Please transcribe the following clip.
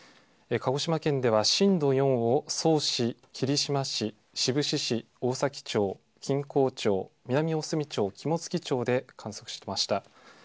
鹿児島県では震度４を曽於市、霧島市、志布志市、大崎町、錦江町、南大隅町、肝付町で、観測しました。